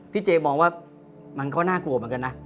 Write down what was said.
เจมองว่ามันก็น่ากลัวเหมือนกันนะ